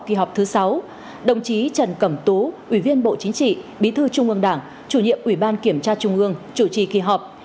kỳ họp thứ sáu đồng chí trần cẩm tú ủy viên bộ chính trị bí thư trung ương đảng chủ nhiệm ủy ban kiểm tra trung ương chủ trì kỳ họp